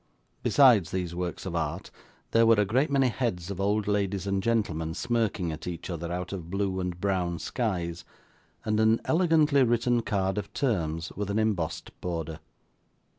Besides these works of art, there were a great many heads of old ladies and gentlemen smirking at each other out of blue and brown skies, and an elegantly written card of terms with an embossed border.